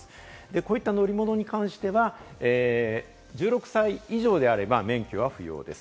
こういった乗り物に関しては、１６歳以上であれば免許は不要です。